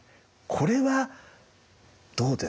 これはどうですか？